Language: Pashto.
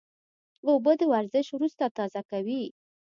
اوبه د ورزش وروسته تازه کوي